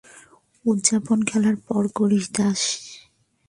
উদযাপন খেলার পর করিস, দাস।